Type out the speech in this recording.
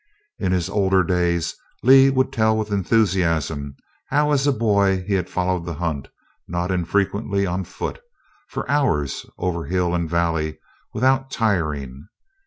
In his older days Lee would tell with enthusiasm how as a boy he had followed the hunt, not infrequently on foot, for hours over hill and valley without tiring.